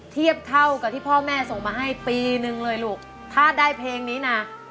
เทียบเท่ากับที่พ่อแม่ส่งมาให้ปีนึงเลยลูกถ้าได้เพลงนี้นะ